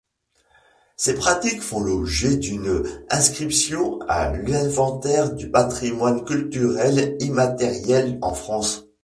Ces pratiques font l’objet d’une inscription à l’Inventaire du patrimoine culturel immatériel en France.